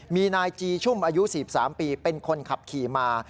มีนายจีชุ่มอายุ๔๓ปีเป็นคนขับขี่มา